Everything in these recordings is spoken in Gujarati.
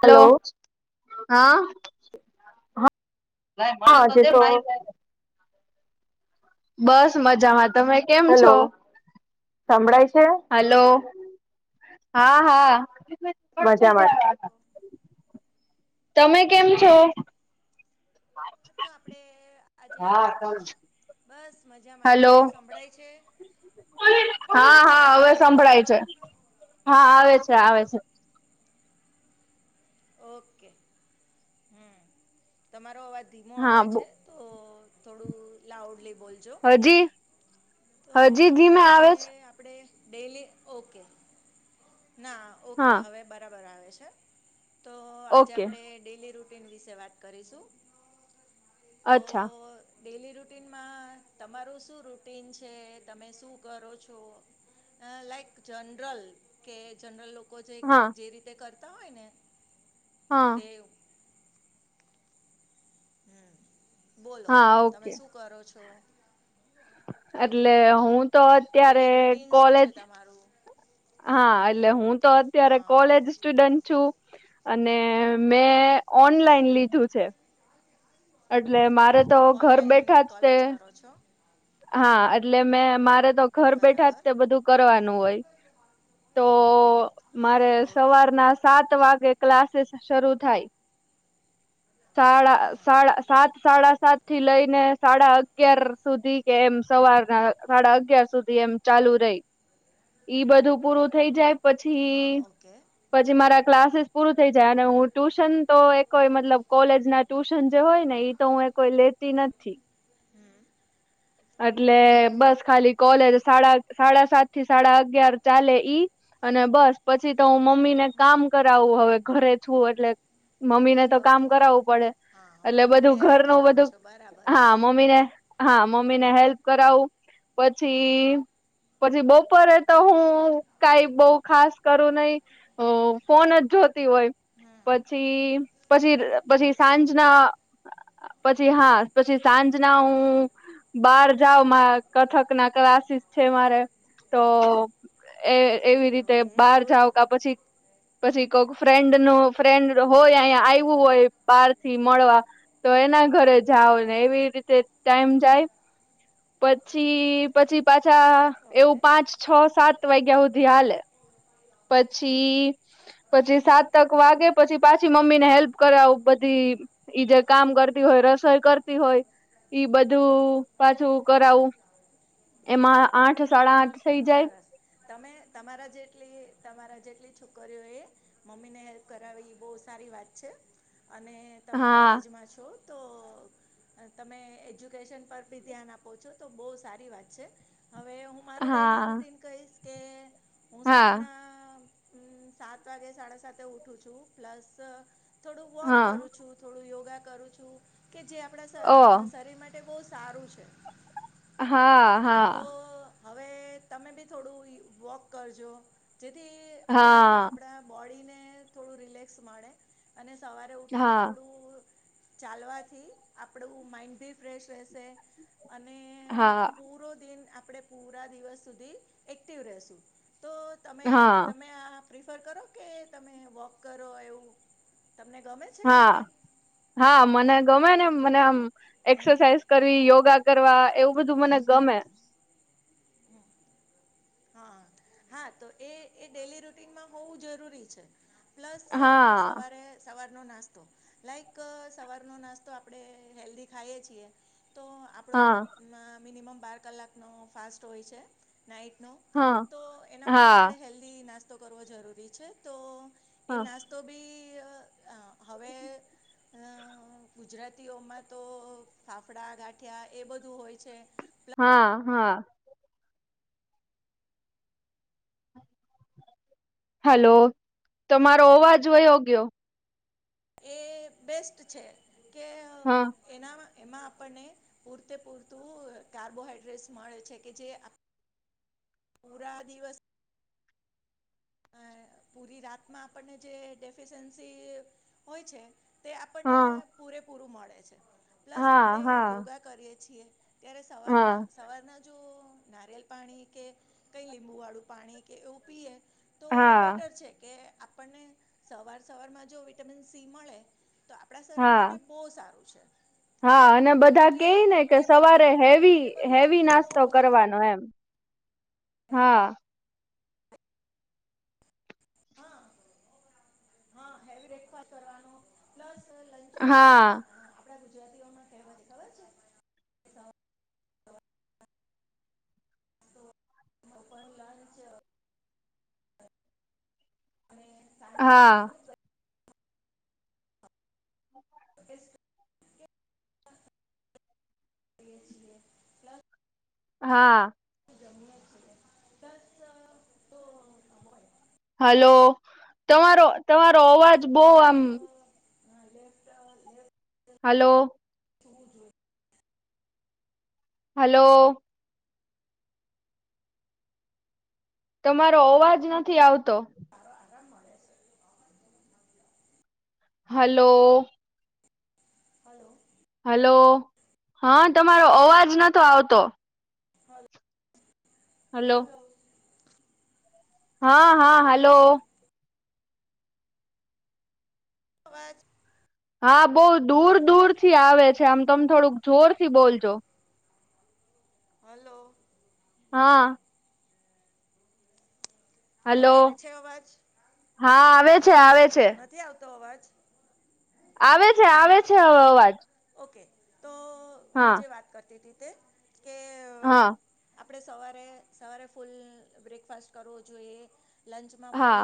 હલો હા લાય મને તો દે મારી ચાય. બસ મજામાં તમે કેમ છો હલો. હા-હા. મજામાં તમે કેમ છો. હા. મજા માં તમને સંભળાય છે. હા હા હવે સંભળાય છે હા આવે છે આવે છે. ઓકે. તમારો આવાજ ધીમો આવે છે તો થોડું લાઉડલી હજી, હજી ધીમે આવે છે? એ ડેલી, ઓકે ના ઓકે હવે બરા બર આવે છે તો આજે આપેડે ડેલી રૂટિં ગ વિશે વાત કરીશું. અચ્છા. ડેલી રૂટીનમાં તમારું શું રૂટીન છે? તમે શું કરો છો? લાઈક જનરલ કે જનરલ લો કો જે જે રીતે કરતા હોય ને તે બોલો તમે શું કરો છો? એટલે હું તો અત્યારે કોલેજ હા, એટલે હું તો અત્યારે કોલેજ સ્ટુડન્ટ છું અને મેં ઓનલાઈન લીધું છે. એટલે મારે તો ઘર બેઠા જ તે હા એ ટલે મેં મારે તો ઘર બેઠા જ તે બધું કરવાનું હોય. તો મારે સવારના સાત વાગે ક્લા સીસ શરૂ થાય, સાડા સાડા, સાત સાડા સાત થી લઈને સાડા અગયાર સુધી કે એમ સવારના સા ડા અગાર સુધી એમ ચાલુ રહે ઈ બધું પૂરું થઈ જાય પછી, પછી મારા ક્લાસીસ પૂરું થઈ જાય અને હું ટ્યુશન તો એ કોઈ મતલબ કોલેજ ના ટ્ યુશન જે હોય ને ઈ તો હું કોઈ લેતી નથી અટલે બસ ખાલી કોલેજ સાડા, સાડા સાત થી સાડા અગયાર ચાલે ઈ અને બસ પછી તો હું મમ્મી ને કામ કરાવું હવે ઘરે છું એટલે મમ્મી ને તો કામ કરાવવું પડે. એટલે બધું ઘરનું બધું હા, મમ્મી ને હા મમ્મી ને હેલ્પ કરાવું પછી પછી બપોરે તો હું કાંઈ બઉ ખાસ કરું નહી તો ફોન જ જો તી હોય પછી, પછી પછી સાંજના પછી હા પછી સાંજના હું બાર જાવ મા કથકના ક્લાસીસ છે, મારે તો એ એવી રીતે બહાર જાવ કા પછી પછી કોક ફ્રેન્ડનો ફ્રેન્ડ હોય અહીયા આવ્યું હોય બારથી મળવા તો એના ઘરે જાઓ ને એવી રીતે ટાઈમ જાય પછી પછી પાછા એવું પાંચ, છ, સાત વાગ્યા હુધી હાલે પછી પછી સાતક વાગે પછી પાછી મમ્મી ને હેલ્પ કરાવુ બધી ઈ જે કામ કરતી હોય રસોઈ કરતી હોય ઈ બધું પાછું કરાવું એમાં આઠ સાડા આઠ સરસ તમે તમારા જેટલી તમારા જેટલી છોકરીઓએ મમ્મીને હેલ્પ કરાવી એ બઉ સારી વાત છે. અને તમે કોલેજમાં છો [inaudible] તમે એજ્યુકેશન પર ભી ધ્યાન આપો છો તો બઉ સારી વાત છે હવે હા. હું સવારના અમમ સાત વાગે સાડા સાતે ઉઠું છું પ્લસ થોડું વોક કરું છું થોડું યોગા કરું છું કે જે આપણા શહહ શરીર માટે બઉ સારું છે. હા હા. હવે તમે બી થોડું વોક કરજો જેથી આપણા આપણા બોડીને થોડું રિલેક્સ મળે અને સવારે ઉઠીને થોડું ચાલવાથી આપડું માઈન્ડ ભી ફ્રેશ રહેશે અને હા. આપણે પૂરા દિવસ સુધી એક્ટિવ રેસુ તો તમે તમે આ પ્રિફર કરો કે તમે વોક કરો એવું? હા હા મને ગમે ને મને આમ એક્સરસાાઈઝ કરવી યોગા કરવા એવું બધું મને ગમે [inaudible] હા હા તો એ એ ડેલી રૂટીનમાં હોવું જરૂરી છે. પ્લસ સવારે સવાર નો નાસ્તો લાઈક અ સવાર નો નાસ્તો આપણે હેલ્ધી ખાઈ છીએ તો આપડો મા મિનિમમ બાર કલાકનો ફાસ્ટ હોય છે નાઈ તો એના માટે આપણે હેલ્ધી નાસ્તો કરવો જરૂરી છે, તો એ નાસ્તો ભી [inaudible] અ ગુજરાતીઓમાં તો ફાફડા, ગાંઠિયા એ બધું હોય છે. હા. હાલો તમારો અવાજ વયો ગયો એ બેસ્ટ છે, કે એનામાં એમાં આપણને પૂરતે પૂરતું કાર્બોહાઈડ્રેટ્સ મળે છે, કે જે પૂરા દિવસ અ પૂરી રાતમાં આપણને જે ડેફિસયન્સી હોય છે. તે આપણને પૂરેપૂરું મળે છે પ્લસ આપણે યોગા કરીએ છીએ ત્યારે સવારના સવારના જો નારિયેલ પાણી કે કઈ લીંબુ વાળું પાણી કે એવું પીએ તો બેટર છે, કે આપણને સવાર સવારમાં જો વિટામિન સી મળે તો આપડા શરીર માટે બો સારું છે. હા અને બધા કેય ને કે સવારે હેવી હેવી નાસ્તો કરવાનો એમ હા હા હા હેવી બ્રેકફાસ કરવાનું પ્લસ હા ગુરાતી ખબર છે ઉપપહેલા છે. સાંજલું ખનું [inaudible] હા જમીએ છીએ બસ તો હોય. હેલો તમારો તમારો અવાજ બહ આમ હલો હાલો. તમારો અવાજ નથી આવતો હાલો. હલો. હાલો હ તમારો અવાજ નતો આવતો [inaudible] હાલો. હા હા હાલો. અવાજ. હા બો દૂર દૂર થી આવે છે આમ તમે થોડુંક જોર થી બોલજો હલો. હા હલો હા આવે છે આવે છે નથી આવતો અવાજ. આવે છે આવે છે. અવાજ તો હું જે વાત કરતી હતી હા આપણે સવારે સવારે ફૂલ બ્રેકફાસ્ટ કરવો જોઈએ લંચમાં ફૂલ.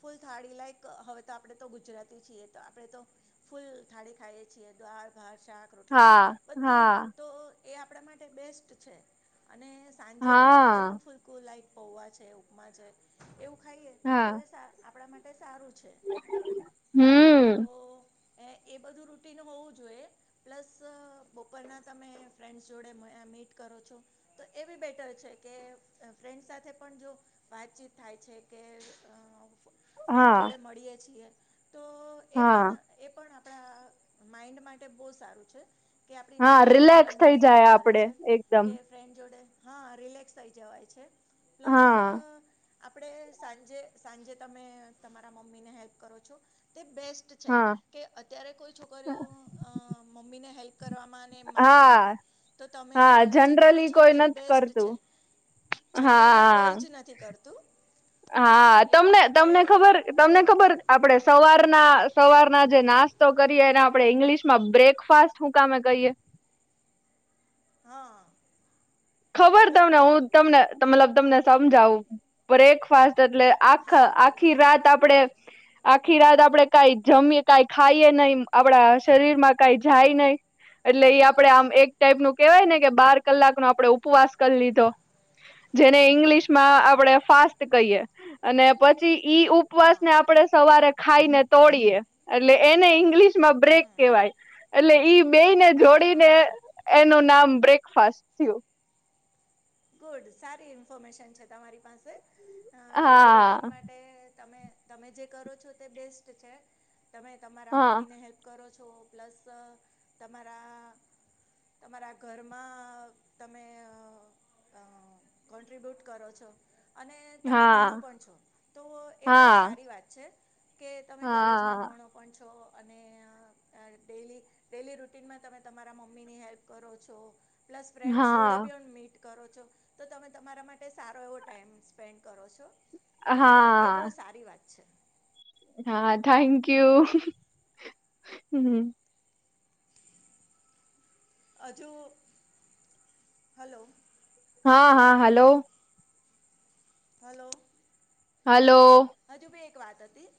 ફૂલ થાળી લાઈક હવે તો આપણેે તો ગુજરાતી છીએ તો આપણેે તો ફૂલ થાળી ખાઈએ છીએ દ્વારા શાક રોટલી બધું તો એ આપડા માટે બેસ્ટ છે અને સાંજે તો હલકું ફૂલકું લાઈક પૌવા છે ઉપમા છે એવું ખાય. હા આપણા માટે સારું હમ હો જોઈ પ્લસ બ તમે ફન્ડ જોડે મીટ કરો છો તો એ બેટર છે કે ફન્ડ સાથે પણ જો વાતચીત થાય છે કે, [inaudible] ફન્ડ જોડે મળીએ છીએ તો એ પણ એ પણ, માઈન્ડ માટે બહ સારું છે કે આપણી નર્વસ સિસ્ટમને સારી કરે છે, કે ફ્રેન્ડ જોડે હા રિલેક્સ થઈ જવાય છે, પ્લસ આપણે સાંજે સાંજે તમે તમારા મમ્મી ને હેલ્પ કરો છો. તે બેસ્ટ છે, કે અત્યારે કોઈ છોકરીઓ અ મમ્મીને હેલ્પ કરવામાં ને એમ માનતી નથી તો તમે તમે જે કરો છો તે બેસ્ટ છે. જનરલી કોઈ જ નથી કરતું હા તમને તમને ખબર તમને ખબર આપડે સવારના સવારના જે નાસ્તો કરીએ એને આપડે ઈંગ્લિશમાં બ્રેકફાસ્ટ હું કામે કહીએ [inaudible] હઅ. ખબર તમને હું તમને મતલબ તમને સમજાવું બ્રેકફાસ્ ટ એટલે આખા આખી રાત આપડે આખી રાત આપડે કાઈ જમીએ કાઈ ખાઈએ નહી આપડા શરીર માં કાઈ જાય નહી એટલે એ આપડે આમ એક ટાઈપ નું કેવાય ને કે બાર કલાક નો આપડણે ઉપવાસ કરી લીધો. જેને ઈંગ્લિશમાં આપણેે ફાસ્ટ કહીએ અને પછી ઈ ઉપવાસ ને આપણે સવારે ખાઈ ને તોડીએ એટલે એને ઇંગ્લિશમાં બ્રેક કેવાય એટલે ઈ બે યને જોડીને એનું નામ બ્રેકફાસ્ટ થયું. ગુડ સારી ઇન્ફોર્મેશન છે તમારી પાસે અ ડેઇલી રૂટીન માટે તમે તમે જે કરો છો તે બેસ્ટ છે, તમે તમારા મમ્મી ને હેલ્પ કરો છો તો પ્લસ તમારા તમારા ઘરમાં તમે અ હ કોન્ટ્રબ્યુટ કરો છો. અને તમે ભણો પણ છો તો એ બહુ સારી વાત છે. કે તમે કોલેજમાં ભણો પણ છો અને અ ડેલી ડેલી રૂટીનમાં તમે તમારા મમ્મી ની હેલ્પ કરો છો. પ્લસ ફ્રેન્ડસ જોડે બી અ મીટ કરો છો તો તમે તમારા માટે સારો એવો ટાઈમ સ્પેન્ડ કરો છો. હા. છ હા, થેન્ક યુ, હ હ હમ. હજુ, હલો! હા, હા, હલો! હલો! હલો! વાત હતી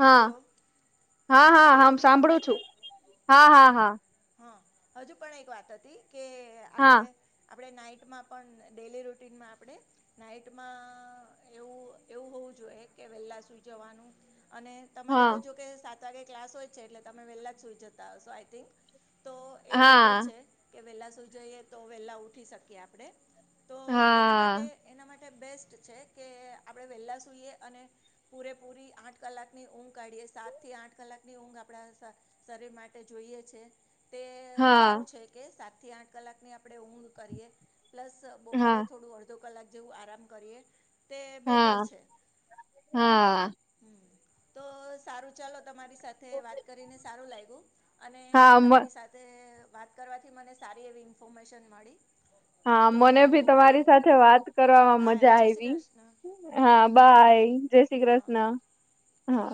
હા, હા હા આમ સાંભળું છું. હા, હા, હા. હઅ હજુ પણ એક વાત હતી કે આપડે આપડે નાઈટમાં પણ ડેલી રૂટીનમાં આપણે નાઈટમાં એવું એવું હોવું જોઈએ કે વેહલા સુુંઈ જવાનું અને તમારે તો જોકે સાત વાગે ક્લાસ હોય જ છે, એટલે તમે વહેલા જ સુઈ જતા હશો આઈ થિક તો એ બેટર છે કે વેલા સુઈ જઈએ તો વેલા ઉઠી શકીએ આપણેે તો એના માટે એના મા ટે બેસ્ટ છે, કે આપણે વેહેલા સુઈએ અને પૂરેપૂરી આઠ કલાકની ઊંઘ કાઢીએ. સાત થી આઠ કલાકની ઊંઘ આપડા શ શરીર માટે જોઈએ છે. તે સારું છે કે સાત થી આઠ કલાક ની આપણેે ઊંઘ કરીએ પ્લસ બપોરે થોડું અડધો કલાક જેવું આરામ કરીએ. હા, હા આ. તો સારું ચાલો તમારી સાથે વાત કરીને સારું લાગ્યું અને તમારી સાથે વાત કરવાથી મને સારી એવી ઈન્ફોર્મેશન મળી. હા, મને ભી તમારી સાથે વાત કરવામાં મજા આયવી. હા, બાય. જય શ્રીકૃષ્ણ. હા.